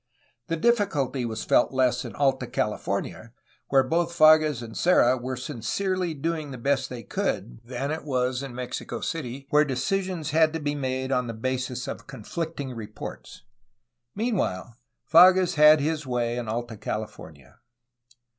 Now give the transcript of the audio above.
The diffi culty was felt less in Alta California, where both Fages and Serra were sincerely doing the best they could, than in Mexico City, where decisions had to be made on the basis of conflicting reports. Meanwhile, Fages had his way in Alta California.